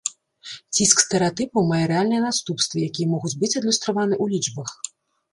Ціск стэрэатыпаў мае рэальныя наступствы, якія могуць быць адлюстраваны ў лічбах.